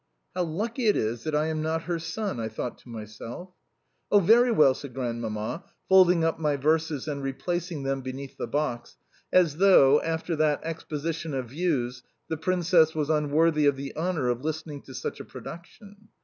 "How lucky it is that I am not her son!" I thought to myself. "Oh, very well," said Grandmamma, folding up my verses and replacing them beneath the box (as though, after that exposition of views, the Princess was unworthy of the honour of listening to such a production).